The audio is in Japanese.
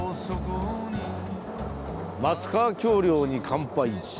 松川橋梁に乾杯。